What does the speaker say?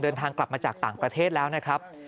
เดินทางกลับมาจากต่างประเทศแล้วนะครับ